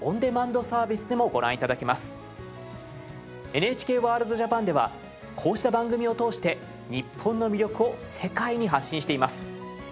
ＮＨＫワールドＪＡＰＡＮではこうした番組を通して日本の魅力を世界に発信しています。